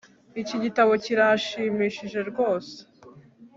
Iki gitabo kirashimishije rwose